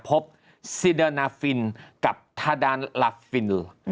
พบซีดานาฟินกับทาดานลาฟิน